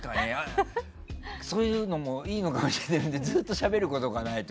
そういうのもいいのかもしれない。